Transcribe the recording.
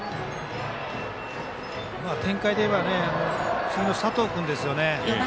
展開でいえば次の佐藤君ですね。